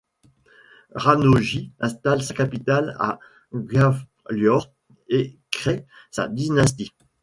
Rânojî installe sa capitale à Gwâlior et crée sa dynastie.